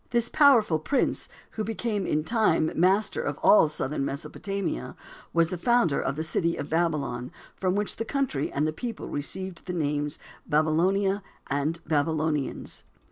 This powerful prince, who became in time master of all southern Mesopotamia, was the founder of the city of Babylon, from which the country and people received the names Babylonia and Babylonians.